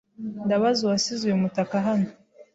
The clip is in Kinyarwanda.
Ndabaza uwasize uyu mutaka hano.